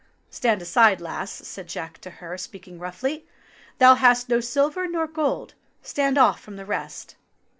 "Stand aside, lass," said Jack to her, speaking roughly. "Thou hast no silver nor gold — stand off from the rest."